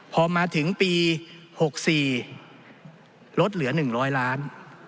พอมาถึงปี๖๔ลดเหลือ๑๐๐ล้าน